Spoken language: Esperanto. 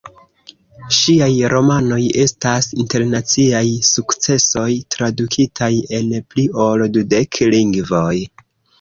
Ŝiaj romanoj estas internaciaj sukcesoj, tradukitaj en pli ol dudek lingvoj.